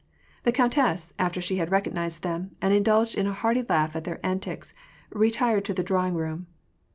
The countess, after she had recognized them, and indulged in a hearty laugh at their antics, retired into the drawing room.